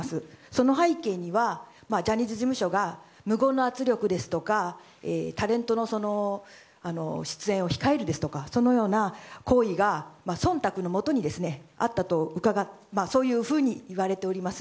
その背景にはジャニーズ事務所が無言の圧力ですとかタレントの出演を控えるですとかそのような行為が忖度のもとにあったとそういうふうにいわれております。